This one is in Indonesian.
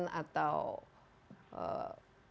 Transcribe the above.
ini sudah garanti atau masih dalam tahap komitmen